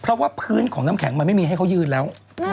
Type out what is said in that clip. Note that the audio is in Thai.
เพราะว่าพื้นของน้ำแข็งมันไม่มีให้เขายืนแล้ว